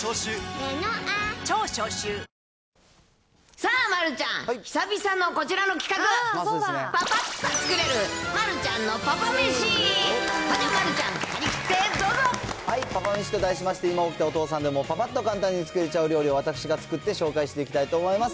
では、丸ちゃん、張り切ってどうパパめしと題しまして、今起きたお父さんでもぱぱっと簡単に作れちゃう料理を私が作って紹介していきたいと思います。